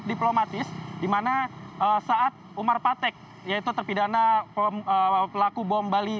diplomatis dimana saat umar patek yaitu terpidana pelaku bom bali